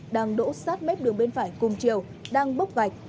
đang đỗ sát mép đường bên phải cùng chiều đang bốc gạch